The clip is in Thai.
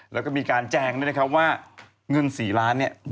แล้วก็มีการแจงด้วยนะครับว่าเงิน๔ล้านเนี่ย